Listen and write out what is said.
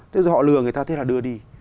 thế rồi họ lừa người ta thế là đưa đi